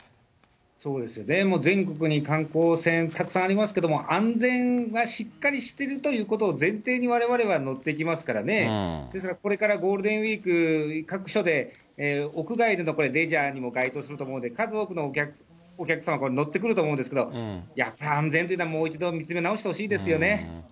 そうですよね、全国の観光船、たくさんありますけども、安全がしっかりしてるということを前提にわれわれは乗っていますからね、ですから、これからゴールデンウィーク、各所で屋外でのレジャーにも該当すると思うんで、数多くのお客様、乗ってくると思うんですけれども、やっぱり安全というのをもう一度見つめ直してほしいですよね。